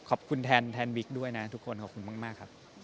ขอบคุณแทนบิ๊กด้วยนะทุกคนขอบคุณมากครับ